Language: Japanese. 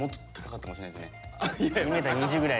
２メーター２０ぐらい。